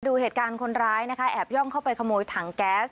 ดูเหตุการณ์คนร้ายนะคะแอบย่องเข้าไปขโมยถังแก๊ส